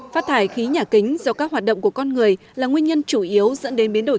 phát thải khí nhà kính do các hoạt động của con người là nguyên nhân chủ yếu dẫn đến biến đổi